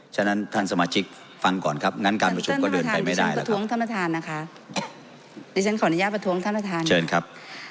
ฉะนั้นท่านสมาชิกฟังก่อนครับงั้นการประชุมก็เดินไปไม่ได้แล้วครับ